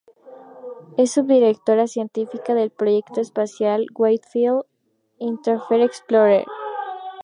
Es subdirectora científica del proyecto espacial Wide-Field Infrared Explorer.